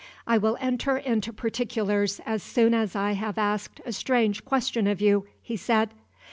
"I will enter into particulars as soon as I have asked a strange question of you," he said.